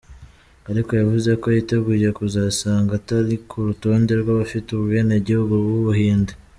Ariko yavuze ko yiteguye kuzasanga atari ku rutonde rw'abafite ubwenegihugu bw'Ubuhinde.